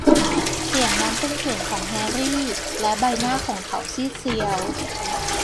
เสียงนั้นเป็นเสียงของแฮรี่ และใบหน้าของเขาซีดเซียว